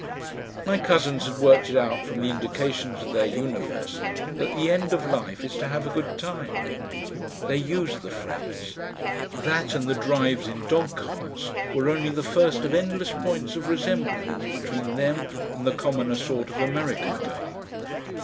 My cousins had worked it out from the indications of their universe that the end of life is to have a "good time." They used the phrase. That and the drives in dog carts were only the first of endless points of resemblance between them and the commoner sort of American girl.